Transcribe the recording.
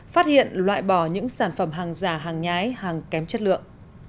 phát hiện loại bỏ những sản phẩm hàng giả hàng nhái hàng kém chất lượng